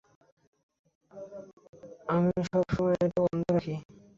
আমি সবসময় এটা বন্ধ রাখি।